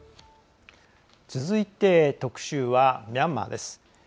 続いて特集はミャンマーです。